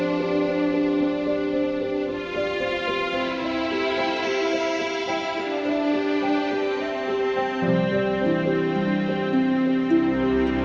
terima kasih yang diberikan saluran pilihan besar kayu